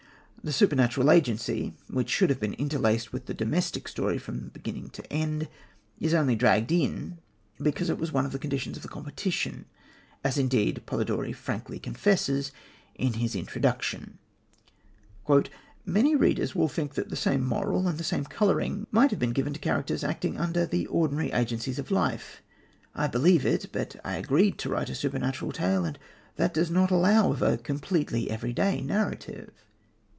The supernatural agency, which should have been interlaced with the domestic story from beginning to end, is only dragged in because it was one of the conditions of the competition, as indeed Polidori frankly confesses in his introduction: "Many readers will think that the same moral and the same colouring might have been given to characters acting under the ordinary agencies of life. I believe it, but I agreed to write a supernatural tale, and that does not allow of a completely everyday narrative."